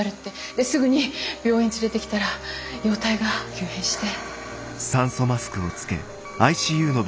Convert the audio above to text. ですぐに病院連れてきたら容体が急変して。